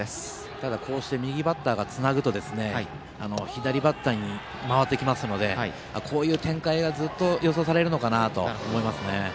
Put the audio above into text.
ただ、こうして右バッターがつなぐと左バッターに回ってきますのでこういう展開がずっと予想されるのかなと思いますね。